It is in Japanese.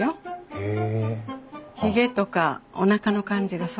へえ。